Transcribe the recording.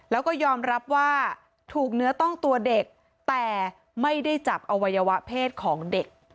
แล้วก็ยอมรับว่าถูกเนื้อต้องตัวเด็กแต่ไม่ได้จับอวัยวะเพศของเด็ก